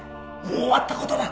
もう終わった事だ！